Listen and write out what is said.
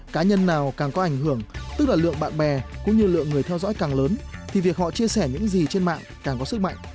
cá nhân nào càng có ảnh hưởng tức là lượng bạn bè cũng như lượng người theo dõi càng lớn thì việc họ chia sẻ những gì trên mạng càng có sức mạnh